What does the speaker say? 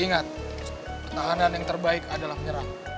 ingat pertahanan yang terbaik adalah menyerah